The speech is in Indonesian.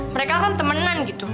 mereka kan temenan gitu